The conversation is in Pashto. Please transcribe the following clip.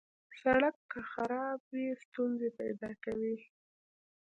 سړک که خراب وي، ستونزې پیدا کوي.